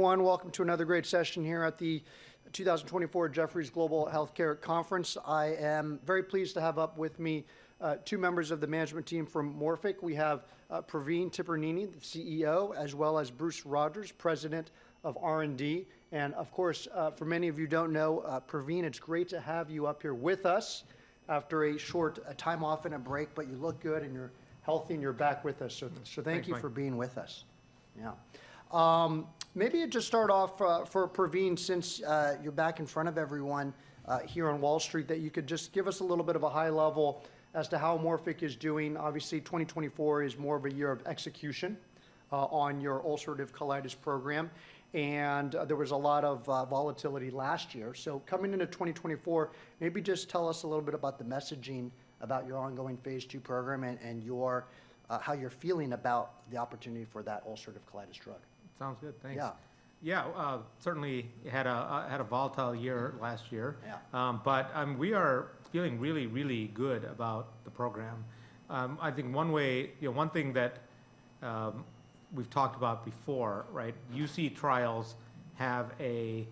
Everyone, welcome to another great session here at the 2024 Jefferies Global Healthcare Conference. I am very pleased to have up with me two members of the management team from Morphic. We have Praveen Tipirneni, the CEO, as well as Bruce Rogers, President of R&D. And of course, for many of you who don't know, Praveen, it's great to have you up here with us after a short time off and a break, but you look good, and you're healthy, and you're back with us. Thanks, Mike. So thank you for being with us. Yeah. Maybe just start off, for Praveen, since you're back in front of everyone, here on Wall Street, that you could just give us a little bit of a high level as to how Morphic is doing. Obviously, 2024 is more of a year of execution, on your ulcerative colitis program, and there was a lot of, volatility last year. So coming into 2024, maybe just tell us a little bit about the messaging about your ongoing phase II program and, and your, how you're feeling about the opportunity for that ulcerative colitis drug. Sounds good. Thanks. Yeah, certainly had a volatile year last year. But, we are feeling really, really good about the program. I think one way, you know, one thing that we've talked about before, right? UC trials have a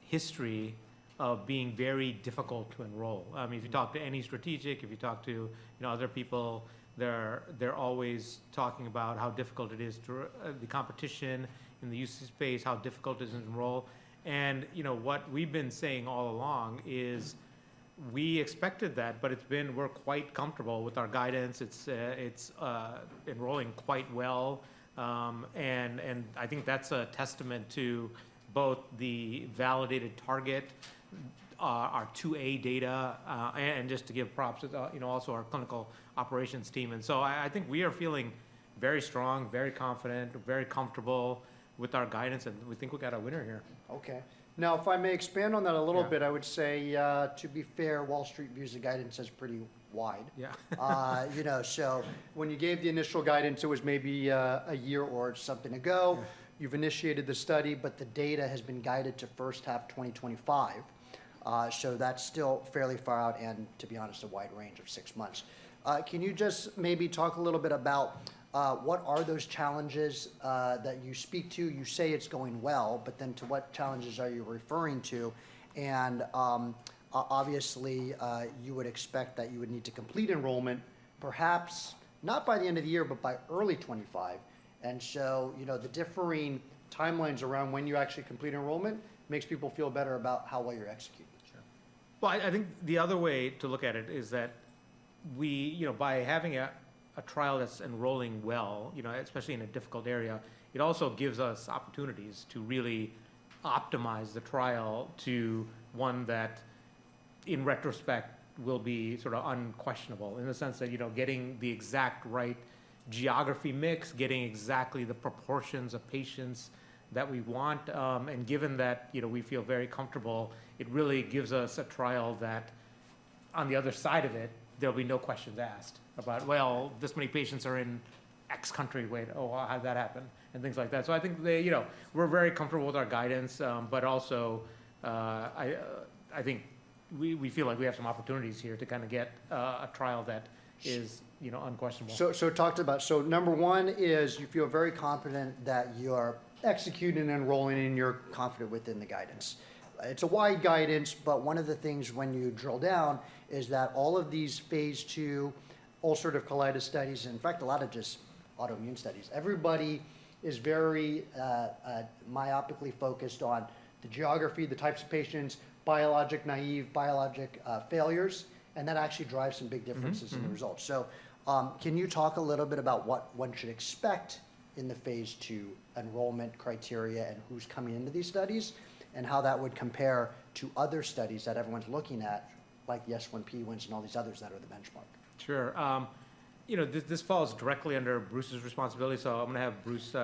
history of being very difficult to enroll. I mean, if you talk to any strategic, if you talk to, you know, other people, they're, they're always talking about how difficult it is to, the competition in the UC space, how difficult it is to enroll. And, you know, what we've been saying all along is we expected that, but it's been, we're quite comfortable with our guidance. It's, it's, enrolling quite well. And, I think that's a testament to both the validated target, our IIa data, and just to give props to, you know, also our clinical operations team. I think we are feeling very strong, very confident, very comfortable with our guidance, and we think we've got a winner here. Okay. Now, if I may expand on that a little bit. I would say, to be fair, Wall Street views the guidance as pretty wide. You know, so when you gave the initial guidance, it was maybe a year or something ago. You've initiated the study, but the data has been guided to first half 2025. So that's still fairly far out, and to be honest, a wide range of six months. Can you just maybe talk a little bit about what are those challenges that you speak to? You say it's going well, but then to what challenges are you referring to? And obviously, you would expect that you would need to complete enrollment, perhaps not by the end of the year, but by early 2025. And so, you know, the differing timelines around when you actually complete enrollment makes people feel better about how well you're executing. Sure. Well, I think the other way to look at it is that we. You know, by having a trial that's enrolling well, you know, especially in a difficult area, it also gives us opportunities to really optimize the trial to one that, in retrospect, will be sort of unquestionable in the sense that, you know, getting the exact right geography mix, getting exactly the proportions of patients that we want. And given that, you know, we feel very comfortable, it really gives us a trial that on the other side of it, there'll be no questions asked about, "Well, this many patients are in X country. Wait. Oh, how'd that happen?" And things like that. So I think they, you know, we're very comfortable with our guidance, but also, I think we feel like we have some opportunities here to kind of get a trial that is you know, unquestionable. So number one is you feel very confident that you're executing and enrolling, and you're confident within the guidance. It's a wide guidance, but one of the things when you drill down is that all of these phase II ulcerative colitis studies, and in fact, a lot of just autoimmune studies, everybody is very myopically focused on the geography, the types of patients, biologic-naive, biologic failures, and that actually drives some big differences in the results. So, can you talk a little bit about what one should expect in the Phase II enrollment criteria, and who's coming into these studies? And how that would compare to other studies that everyone's looking at, like the S1P1s and all these others that are the benchmark. Sure. You know, this, this falls directly under Bruce's responsibility, so I'm gonna have Bruce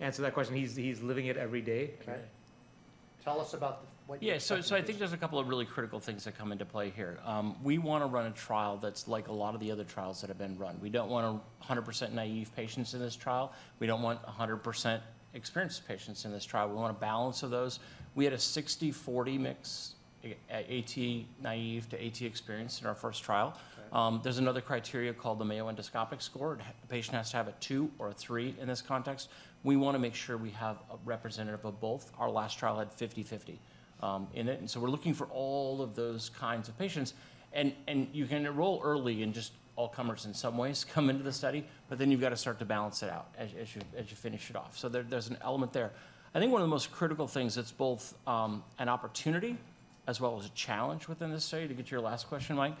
answer that question. He's, he's living it every day. Okay. Tell us about what you- Yeah. So, so I think there's a couple of really critical things that come into play here. We wanna run a trial that's like a lot of the other trials that have been run. We don't want 100% naive patients in this trial. We don't want 100% experienced patients in this trial. We want a balance of those. We had a 60/40 mix, AT naive to AT experienced in our first trial. Okay. There's another criteria called the Mayo Endoscopic Score. The patient has to have a two or a three in this context. We wanna make sure we have a representative of both. Our last trial had 50/50 in it, and so we're looking for all of those kinds of patients. And you can enroll early, and just all comers, in some ways, come into the study, but then you've got to start to balance it out as you finish it off. So there, there's an element there. I think one of the most critical things that's both an opportunity as well as a challenge within this study, to get to your last question, Mike,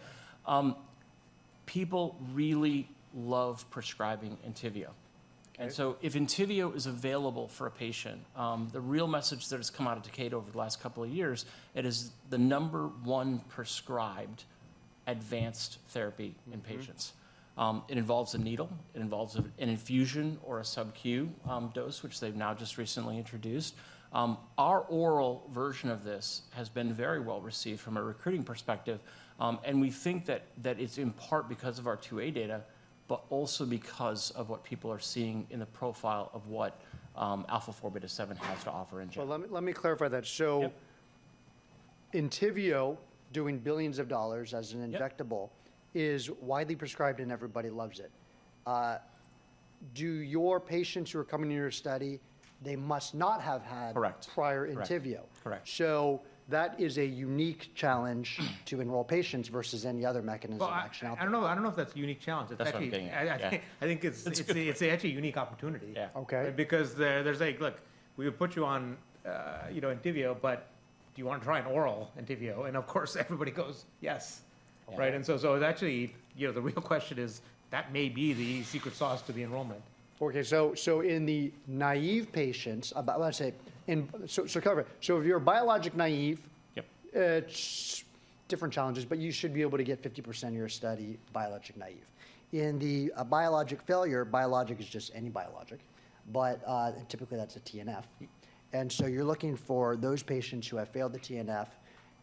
people really love prescribing ENTYVIO. Okay. And so if ENTYVIO is available for a patient, the real message that has come out of Takeda over the last couple of years: it is the number one prescribed advanced therapy in patients. It involves a needle. It involves an infusion or a sub-Q, dose, which they've now just recently introduced. Our oral version of this has been very well-received from a recruiting perspective, and we think that, that it's in part because of our IIa data, but also because of what people are seeing in the profile of what, α4β7 has to offer in general. Well, let me, let me clarify that. So ENTYVIO, doing $ billions as an injectable is widely prescribed, and everybody loves it. Do your patients who are coming to your study, they must not have had- Correct prior ENTYVIO? Correct. That is a unique challenge to enroll patients versus any other mechanism of action out there. Well, I don't know if that's a unique challenge. That's what I'm getting at. Yeah. I think it's actually a unique opportunity. Yeah. Okay. Because there, there's a... Look, we could put you on, you know, ENTYVIO, but do you want to try an oral ENTYVIO? And of course, everybody goes, "Yes." Right? Yeah. Actually, you know, the real question is, that may be the secret sauce to the enrollment. Okay, so in the naive patients, about, let's say, in. So, cover. So if you're biologic-naive it's different challenges, but you should be able to get 50% of your study biologic-naive. In the biologic failure, biologic is just any biologic, but typically, that's a TNF. Yep. And so you're looking for those patients who have failed the TNF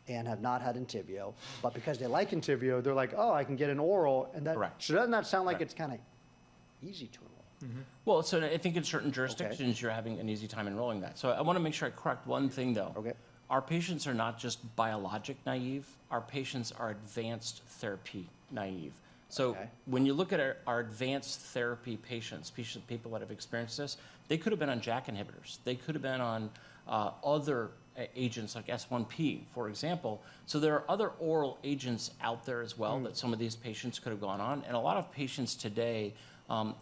and have not had ENTYVIO, but because they like ENTYVIO, they're like, "Oh, I can get an oral," and that- Correct. So doesn't that sound like- Right It's kinda easy to enroll? Well, so I think in certain jurisdictions you're having an easy time enrolling that. So I wanna make sure I correct one thing, though. Okay. Our patients are not just biologic-naive, our patients are advanced therapy-naive. Okay. So when you look at our advanced therapy patients, people that have experienced this, they could have been on JAK inhibitors. They could have been on other agents, like S1P, for example. So there are other oral agents out there as well that some of these patients could have gone on, and a lot of patients today,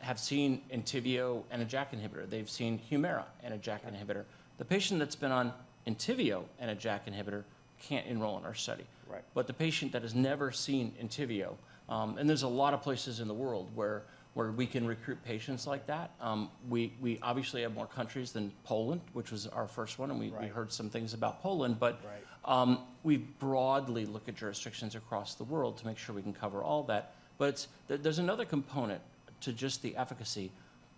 have seen ENTYVIO and a JAK inhibitor. They've seen HUMIRA and a JAK inhibitor. The patient that's been on ENTYVIO and a JAK inhibitor can't enroll in our study. Right. But the patient that has never seen ENTYVIO, and there's a lot of places in the world where we can recruit patients like that. We obviously have more countries than Poland, which was our first one, and we heard some things about Poland, but we broadly look at jurisdictions across the world to make sure we can cover all that. But there, there's another component to just the efficacy.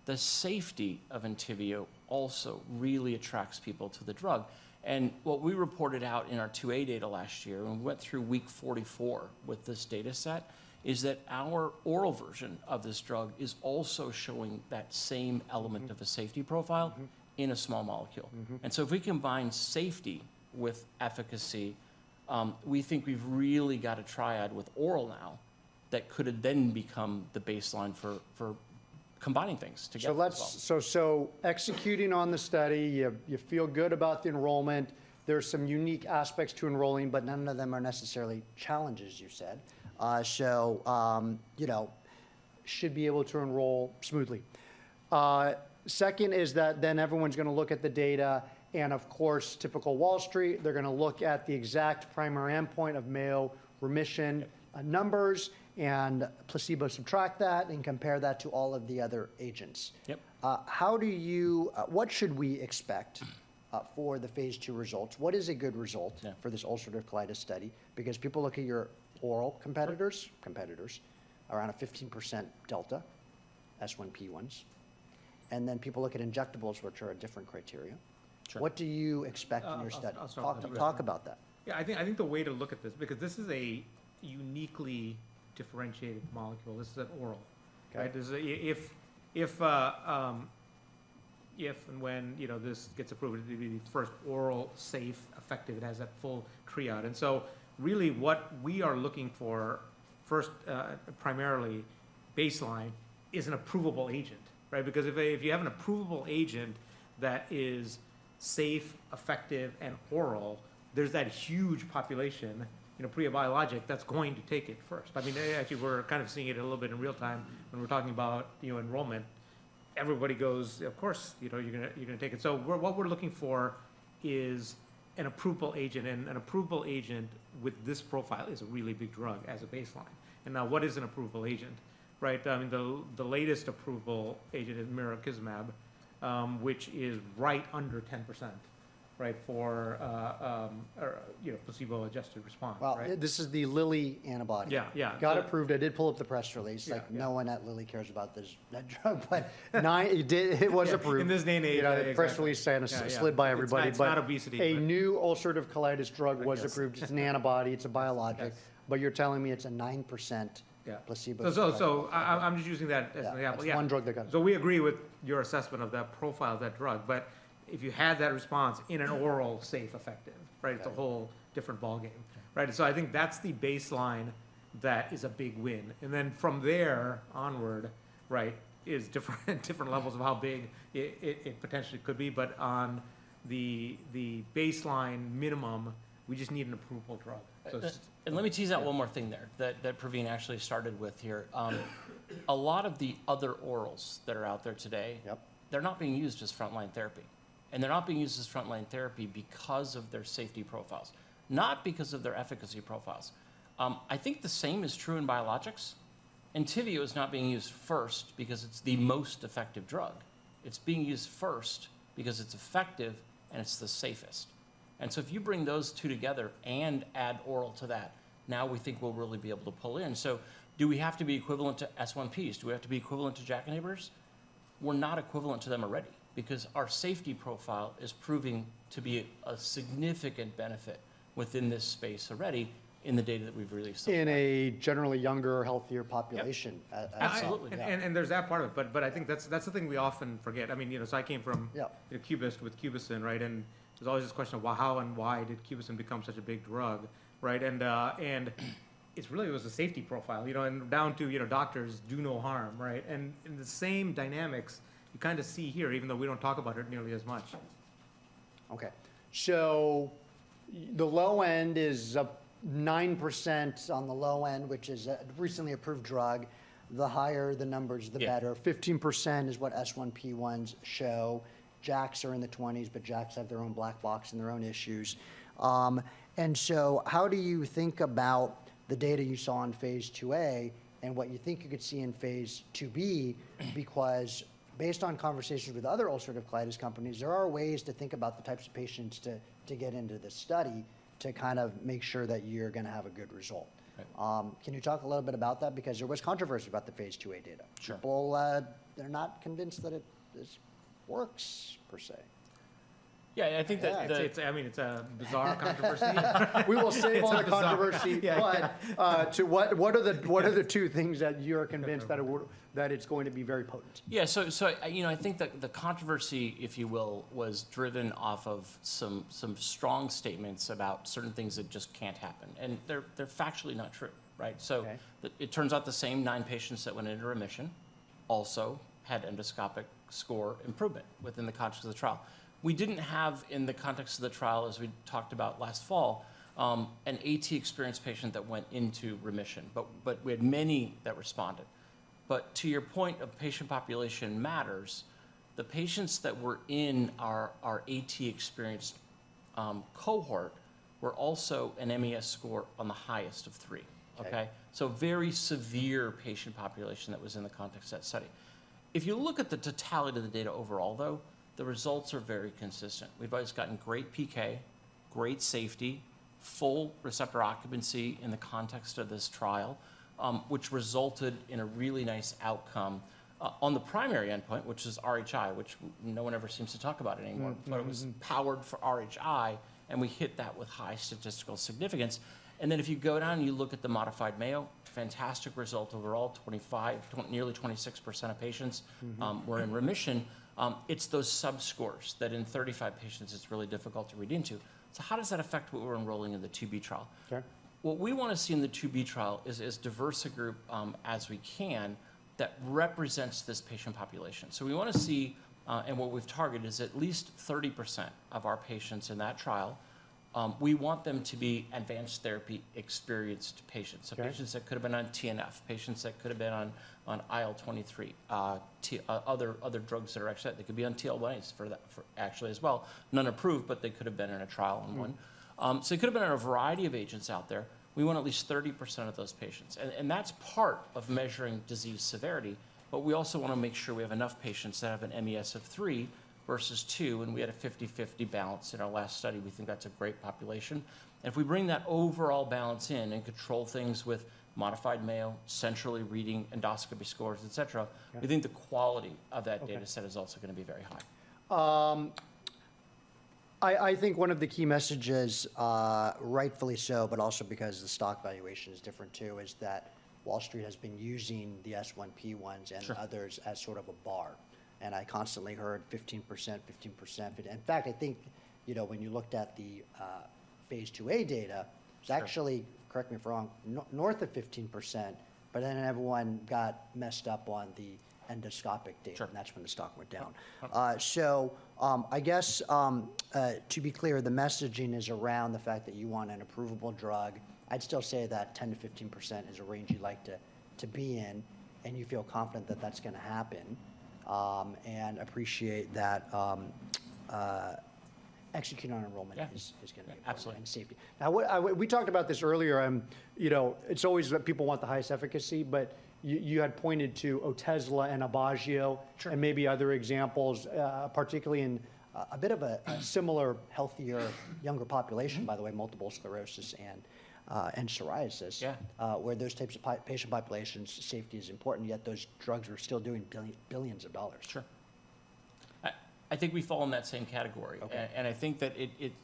The safety of ENTYVIO also really attracts people to the drug, and what we reported out in our IIa data last year, and we went through week 44 with this data set, is that our oral version of this drug is also showing that same element of a safety profile in a small molecule. And so if we combine safety with efficacy, we think we've really got a triad with oral now that could then become the baseline for combining things together as well. Executing on the study, you feel good about the enrollment. There are some unique aspects to enrolling, but none of them are necessarily challenges, you said. So, you know, should be able to enroll smoothly. Second is that then everyone's gonna look at the data, and of course, typical Wall Street, they're gonna look at the exact primary endpoint of Mayo Remission. Yep Numbers, and placebo, subtract that, and compare that to all of the other agents. Yep. What should we expect for the phase two results? What is a good result? Yeah For this ulcerative colitis study? Because people look at your oral competitors. Right. Competitors, around a 15% delta, S1P1s, and then people look at injectables, which are a different criterion. Sure. What do you expect in your study? I'll start. Talk, talk about that. Yeah, I think the way to look at this, because this is a uniquely differentiated molecule. This is an oral. Right? If and when, you know, this gets approved, it'd be the first oral, safe, effective. It has that full triad. And so really what we are looking for, first, primarily, baseline, is an approvable agent, right? Because if you have an approvable agent that is safe, effective, and oral, there's that huge population, you know, pre-biologic, that's going to take it first. I mean, actually, we're kind of seeing it a little bit in real time when we're talking about, you know, enrollment. Everybody goes, "Of course, you know, you're gonna, you're gonna take it." So what we're looking for is an approvable agent, and an approvable agent with this profile is a really big drug as a baseline. And now, what is an approvable agent, right? I mean, the latest approvable agent is mirikizumab, which is right under 10%, right, for, you know, placebo-adjusted response, right? Well, this is the Lilly antibody. Yeah, yeah. Got approved. I did pull up the press release. Yeah, yeah. Like, no one at Lilly cares about this, that drug, but it did, it was approved. Yeah. In this day and age, yeah, exactly. Press release saying it slid by everybody, but- It's not, it's not obesity, but-... a new ulcerative colitis drug was approved. Yes. It's an antibody. It's a biologic. Yes. But you're telling me it's a 9% placebo Yeah So, I'm just using that as an example. Yeah. Yeah. It's one drug that got approved. So we agree with your assessment of that profile of that drug, but if you had that response in an oral safe, effective, right? Yeah. It's a whole different ballgame. Yeah. Right, so I think that's the baseline that is a big win, and then from there onward, right, is different levels of how big it potentially could be. But on the baseline minimum, we just need an approvable drug. So it's- And let me tease out one more thing there, that Praveen actually started with here. A lot of the other orals that are out there today they're not being used as front-line therapy, and they're not being used as front-line therapy because of their safety profiles, not because of their efficacy profiles. I think the same is true in biologics. ENTYVIO is not being used first because it's the most effective drug. It's being used first because it's effective, and it's the safest. And so if you bring those two together and add oral to that, now we think we'll really be able to pull in. So do we have to be equivalent to S1Ps? Do we have to be equivalent to JAK inhibitors? We're not equivalent to them already because our safety profile is proving to be a significant benefit within this space already in the data that we've released so far. In a generally younger, healthier population- Yep Absolutely. And there's that part of it, but I think that's the thing we often forget. I mean, you know, so I came from Cubist with Cubicin, right? There's always this question of, "Well, how and why did Cubicin become such a big drug," right? It really was a safety profile, you know, and down to, you know, doctors, do no harm, right? And the same dynamics you kind of see here, even though we don't talk about it nearly as much. Okay. So the low end is 9% on the low end, which is a recently approved drug. The higher the numbers, the better. Yeah. 15% is what S1P1s show. JAKs are in the 20s, but JAKs have their own black box and their own issues. And so how do you think about the data you saw in phase IIa and what you think you could see in phase IIb? Because based on conversations with other ulcerative colitis companies, there are ways to think about the types of patients to get into this study to kind of make sure that you're gonna have a good result. Right. Can you talk a little bit about that? Because there was controversy about the phase IIa data. Sure. People, they're not convinced that it, this works, per se. Yeah, I think that I mean, it's a bizarre controversy. We will save all the controversy. Yeah. But, to what are the what are the two things that you're convinced that it would, that it's going to be very potent? Yeah. So, you know, I think that the controversy, if you will, was driven off of some strong statements about certain things that just can't happen, and they're factually not true, right? Okay. So it turns out the same nine patients that went into remission also had endoscopic score improvement within the context of the trial. We didn't have, in the context of the trial, as we talked about last fall, an AT-experienced patient that went into remission, but, but we had many that responded. But to your point of patient population matters, the patients that were in our, our AT-experienced cohort were also an MES score on the highest of three. Okay. Okay? So very severe patient population that was in the context of that study. If you look at the totality of the data overall, though, the results are very consistent. We've always gotten great PK, great safety, full receptor occupancy in the context of this trial, which resulted in a really nice outcome, on the primary endpoint, which is RHI, which no one ever seems to talk about anymore. But it was powered for RHI, and we hit that with high statistical significance. And then if you go down and you look at the modified Mayo, fantastic result overall, 25%, nearly 26% of patients were in remission. It's those subscores that in 35 patients, it's really difficult to read into. So how does that affect what we're enrolling in the IIb trial? Sure. What we want to see in the IIb trial is as diverse a group, as we can, that represents this patient population. So we want to see, and what we've targeted is at least 30% of our patients in that trial, we want them to be advanced therapy-experienced patients so patients that could have been on TNF, patients that could have been on IL-23, other drugs that are actually out. They could be on TL1As for that actually as well, none approved, but they could have been in a trial on one. So they could have been on a variety of agents out there. We want at least 30% of those patients, and that's part of measuring disease severity, but we also want to make sure we have enough patients that have an MES of three versus two, and we had a 50/50 balance in our last study. We think that's a great population. And if we bring that overall balance in and control things with modified Mayo, centrally reading endoscopy scores, et cetera we think the quality of that data set is also gonna be very high. Okay I think one of the key messages, rightfully so, but also because the stock valuation is different too, is that Wall Street has been using the S1P1s and others as sort of a bar, and I constantly heard 15%, 15%. But in fact, I think, you know, when you looked at the phase IIa data. It's actually, correct me if I'm wrong, north of 15%, but then everyone got messed up on the endoscopic data. Sure. That's when the stock went down. Okay. So, I guess, to be clear, the messaging is around the fact that you want an approvable drug. I'd still say that 10%-15% is a range you'd like to be in, and you feel confident that that's gonna happen, and appreciate that, executing on enrollment is gonna be important and safety. Now, we talked about this earlier, you know, it's always that people want the highest efficacy, but you had pointed to Otezla and Aubagio. Absolutely. Sure. And maybe other examples, particularly in a bit of a similar, healthier, younger population, by the way, multiple sclerosis and psoriasis. Yeah. Where those types of patient populations, safety is important, yet those drugs are still doing billions of dollars. Sure. I think we fall in that same category. Okay. And I think that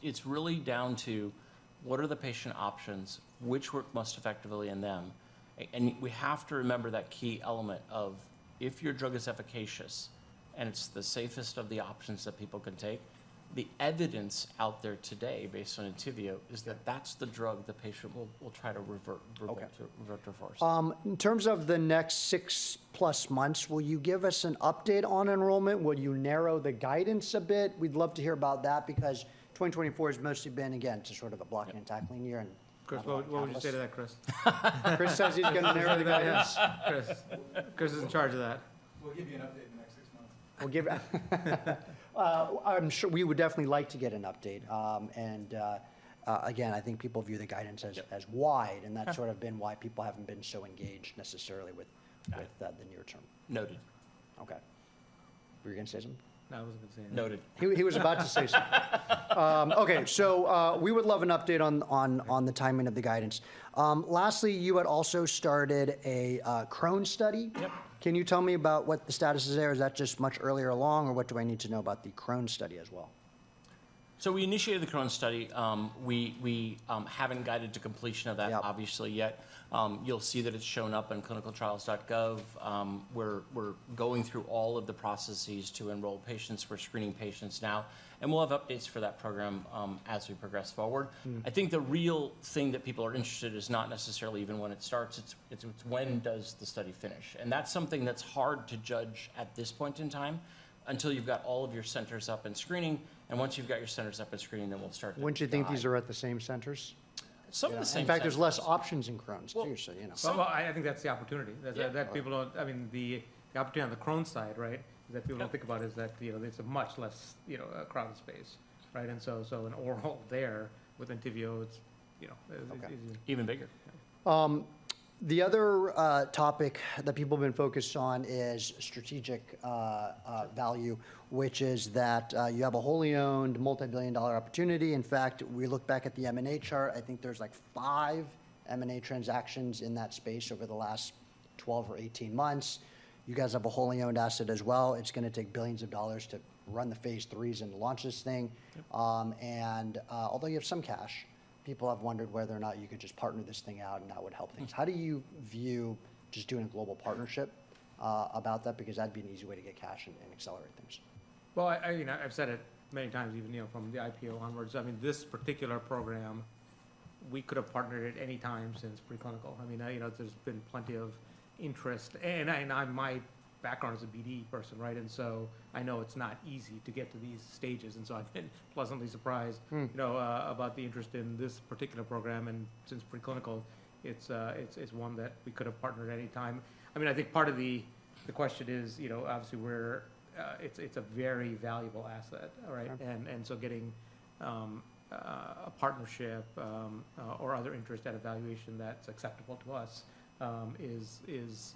it’s really down to what are the patient options? Which work most effectively in them? And we have to remember that key element of if your drug is efficacious, and it’s the safest of the options that people can take, the evidence out there today, based on ENTYVIO, is that that’s the drug the patient will try to revert to first. Okay In terms of the next six plus months, will you give us an update on enrollment? Will you narrow the guidance a bit? We'd love to hear about that because 2024 has mostly been, again, just sort of a blocking and tackling year and- Chris, what, what would you say to that, Chris? Chris says he's gonna narrow the guidance. Yes, Chris. Chris is in charge of that. We'll give you an update in the next six months. We'll give. I'm sure we would definitely like to get an update. Again, I think people view the guidance as, as wide, and that's sort of been why people haven't been so engaged necessarily with with, the near term. Got it. Noted. Okay. Were you gonna say something? No, I wasn't gonna say anything. Noted. He was about to say something. Okay. So, we would love an update on the timing of the guidance. Lastly, you had also started a Crohn's study. Yep. Can you tell me about what the status is there? Is that just much earlier along, or what do I need to know about the Crohn's study as well? So we initiated the Crohn's study. We haven't got it to completion of that obviously yet. You'll see that it's shown up on clinicaltrials.gov. We're going through all of the processes to enroll patients. We're screening patients now, and we'll have updates for that program, as we progress forward. I think the real thing that people are interested is not necessarily even when it starts, it's, it's when does the study finish? And that's something that's hard to judge at this point in time, until you've got all of your centers up and screening, and once you've got your centers up and screening, then we'll start to- Wouldn't you think these are at the same centers? Some of the same centers. In fact, there's less options in Crohn's, usually, you know. Well, I think that's the opportunity. Yeah. That people don't, I mean, the opportunity on the Crohn's side, right? Yeah. That people don't think about is that, you know, it's a much less, you know, crowded space, right? And so an oral there with ENTYVIO, it's, you know, is- Okay. Even bigger. The other, topic that people have been focused on is strategic, value, which is that, you have a wholly owned, multi-billion dollar opportunity. In fact, we look back at the M&A chart, I think there's, like, five M&A transactions in that space over the last 12 or 18 months. You guys have a wholly owned asset as well. It's gonna take billions of dollars to run the phase III and launch this thing. Yep. Although you have some cash, people have wondered whether or not you could just partner this thing out, and that would help things. How do you view just doing a global partnership about that? Because that'd be an easy way to get cash and accelerate things. Well, I you know, I've said it many times, even, you know, from the IPO onwards, I mean, this particular program, we could have partnered at any time since preclinical. I mean, you know, there's been plenty of interest, and my background is a BD person, right? And so I know it's not easy to get to these stages, and so I've been pleasantly surprised you know, about the interest in this particular program. And since preclinical, it's one that we could have partnered at any time. I mean, I think part of the question is, you know, obviously, it's a very valuable asset, right? Yeah. So getting a partnership or other interest at a valuation that's acceptable to us is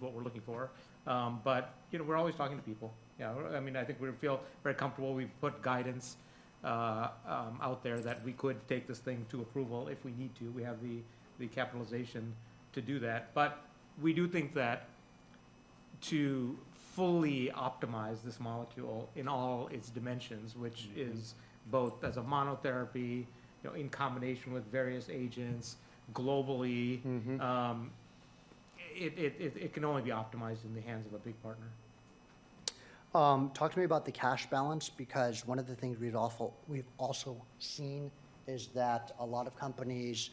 what we're looking for. But you know, we're always talking to people. Yeah, I mean, I think we feel very comfortable. We've put guidance out there that we could take this thing to approval if we need to. We have the capitalization to do that. But we do think that to fully optimize this molecule in all its dimensions, which is both as a monotherapy, you know, in combination with various agents, globally it can only be optimized in the hands of a big partner. Talk to me about the cash balance, because one of the things we've also seen is that a lot of companies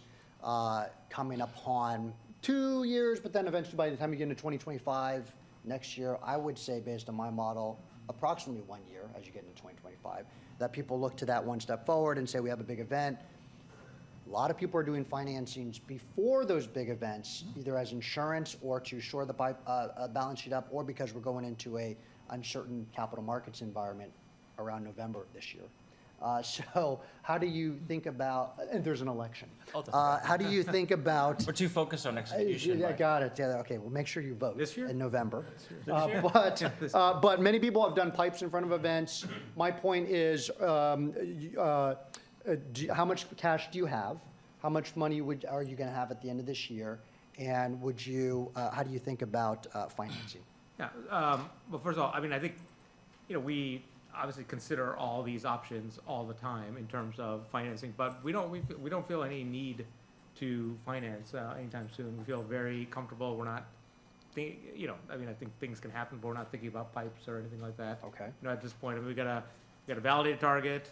coming upon two years, but then eventually, by the time you get into 2025, next year, I would say, based on my model, approximately one year, as you get into 2025, that people look to that one step forward and say: "We have a big event." A lot of people are doing financings before those big events either as insurance or to shore the pipe, balance sheet up, or because we're going into an uncertain capital markets environment around November of this year. So how do you think about. And there's an election. I'll take that. How do you think about- We're too focused on execution. I got it. Yeah, okay. Well, make sure you vote in November. This year? This year. But many people have done pipelines in front of events. My point is, how much cash do you have? How much money are you gonna have at the end of this year, and would you, How do you think about, financing? Yeah, well, first of all, I mean, I think, you know, we obviously consider all these options all the time in terms of financing, but we don't, we don't feel any need to finance anytime soon. We feel very comfortable. We're not thinking, you know, I mean, I think things can happen, but we're not thinking about pipes or anything like that you know, at this point. And we got a, got a validated target.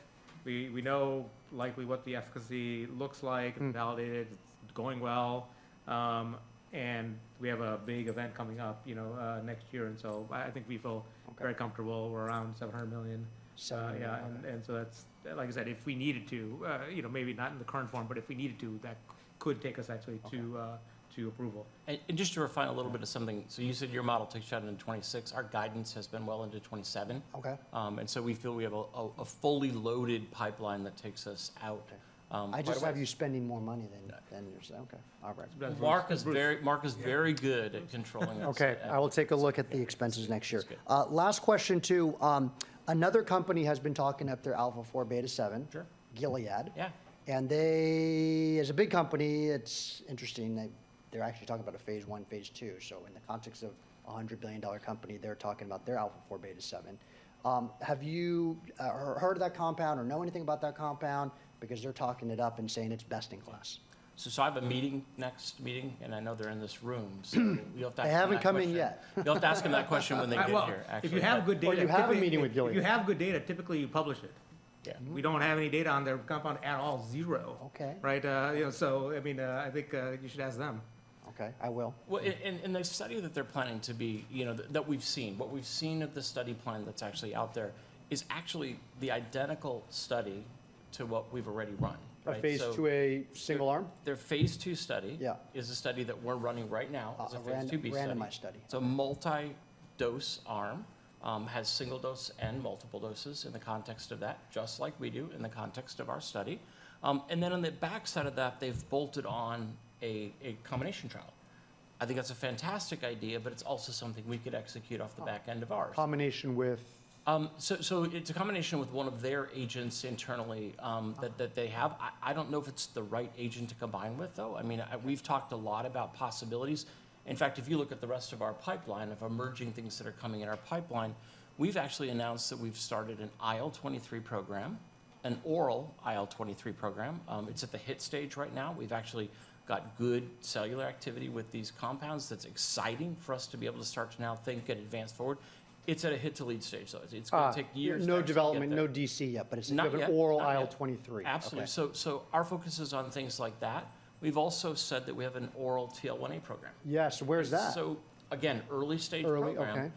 We, we know likely what the efficacy looks like. And validated. It's going well. And we have a big event coming up, you know, next year, and so I, I think we feel very comfortable. We're around $700 million. Seven. Yeah, and so that's, like I said, if we needed to, you know, maybe not in the current form, but if we needed to, that could take us actually to approval Okay And just to refine a little bit to something. So you said your model takes you out into 2026. Our guidance has been well into 2027. Okay. So we feel we have a fully loaded pipeline that takes us out quite a- I just worry you're spending more money than you say. No. Okay. All right. Marc is very- Marc is very good at controlling us. Okay, I will take a look at the expenses next year. That's good. Last question, too. Another company has been talking up their α4β7 Gilead. Sure. Yeah. They, as a big company, it's interesting that they're actually talking about a phase I, phase II. In the context of a $100 billion company, they're talking about their α4β7. Have you heard of that compound or know anything about that compound? Because they're talking it up and saying it's best in class. So, I have a meeting, next meeting, and I know they're in this room, so we'll have to ask them that question. They haven't come in yet. You'll have to ask them that question when they get here. I will. If you have good data- Well, you have a meeting with Gilead. If you have good data, typically, you publish it. Yeah. We don't have any data on their compound at all. Zero. Okay. Right, you know, so I mean, I think, you should ask them. Okay, I will. Well, in the study that they're planning to be, you know, that we've seen, what we've seen of the study plan that's actually out there is actually the identical study to what we've already run, right? A phase IIa single arm? Their phase II study is a study that we're running right now as a phase IIb study. A randomized study. It's a multi-dose arm, has single dose and multiple doses in the context of that, just like we do in the context of our study. And then on the back side of that, they've bolted on a combination trial. I think that's a fantastic idea, but it's also something we could execute off the back end of ours. Combination with? So, it's a combination with one of their agents internally, that they have. I, I don't know if it's the right agent to combine with, though. I mean we've talked a lot about possibilities. In fact, if you look at the rest of our pipeline of emerging things that are coming in our pipeline, we've actually announced that we've started an IL-23 program, an oral IL-23 program. It's at the hit stage right now. We've actually got good cellular activity with these compounds. That's exciting for us to be able to start to now think and advance forward. It's at a hit to lead stage, though. It's gonna take years to actually get there. No development, no DC yet, but it's- Not yet An oral IL-23. Absolutely. Okay. So, our focus is on things like that. We've also said that we have an oral TL1A program. Yeah, so where is that? Again, early stage program. Early, okay.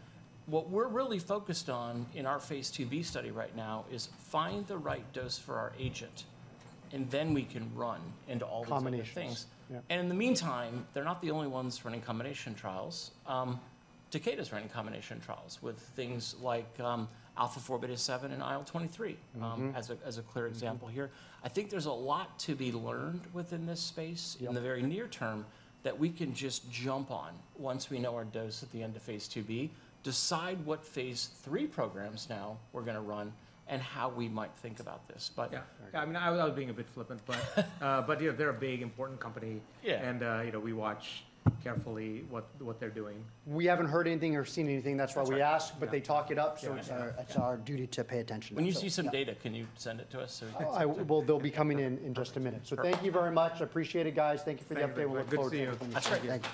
What we're really focused on in our phase IIb study right now is find the right dose for our agent, and then we can run into all these different things. Combinations. Yeah. And in the meantime, they're not the only ones running combination trials. Takeda's running combination trials with things like α4β7 and IL-23- As a clear example here. I think there's a lot to be learned within this space in the very near term, that we can just jump on once we know our dose at the end of Phase IIB, decide what Phase III programs now we're gonna run and how we might think about this, but yeah. Yeah.. I mean, I was being a bit flippant, but, you know, they're a big, important company. Yeah. You know, we watch carefully what they're doing. We haven't heard anything or seen anything. That's right. That's why we ask, but they talk it up so it's our duty to pay attention. Yeah. That's it, yeah. When you see some data, can you send it to us, so we can see? Well, they'll be coming in in just a minute. Perfect. Thank you very much. I appreciate it, guys. Thank you for the update. Thank you. Good seeing you. That's right. Thank you.